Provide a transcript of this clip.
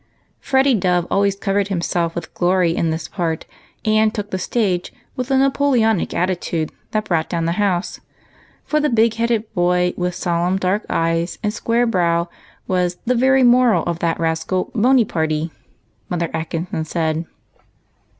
Freddy Dove always covered himself with glory in this part, and " took the stage " with a Napoleonic attitude that brought down the house ; for the big headed boy, with solemn, dark eyes and square brow, was " the very moral of that rascal, Boneyparty," Mother Atkinson said.